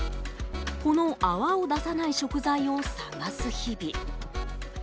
この泡を出さない食材を探す日々。